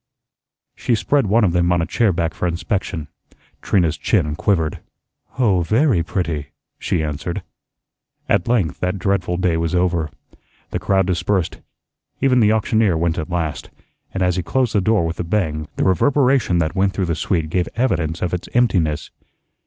She spread one of them on a chair back for inspection. Trina's chin quivered. "Oh, VERY pretty," she answered. At length that dreadful day was over. The crowd dispersed. Even the auctioneer went at last, and as he closed the door with a bang, the reverberation that went through the suite gave evidence of its emptiness.